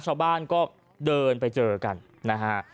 ชาวบ้านก็เดินไปเจอกันนะฮะ